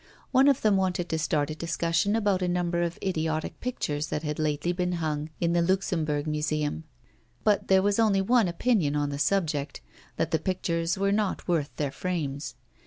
One of them wanted to start a discussion about a number of idiotic pictures that had lately been hung in the Luxembourg Museum; but there was only one opinion on the subject, that the pictures were not worth their frames.